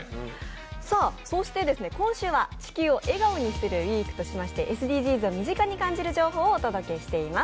そして今週は「地球を笑顔にするＷＥＥＫ」としましてＳＤＧｓを身近に感じる情報をお届けしています。